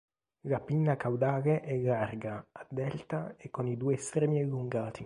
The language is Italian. La pinna caudale è larga, a delta e con i due estremi allungati.